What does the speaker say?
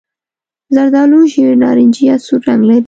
زردالو ژېړ نارنجي یا سور رنګ لري.